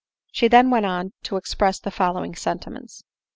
She then went on to express the following sentiments.